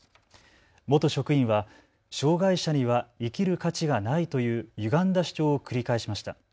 元職員は障害者には生きる価値がないというゆがんだ主張を繰り返しました。